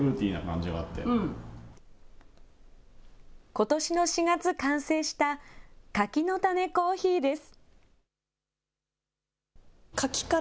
ことしの４月完成した柿の種コーヒーです。